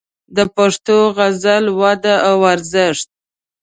د پښتو غزل وده او ارزښت